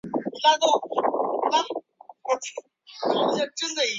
有些部位的羽毛有触觉功能。